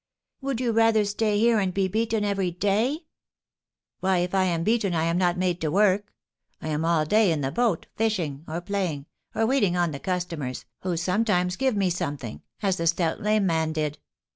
"Would you rather stay here and be beaten every day?" "Why, if I am beaten I am not made to work. I am all day in the boat, fishing, or playing, or waiting on the customers, who sometimes give me something, as the stout lame man did.